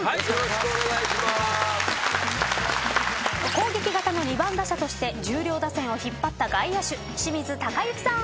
攻撃型の２番打者として重量打線を引っ張った外野手清水隆行さん。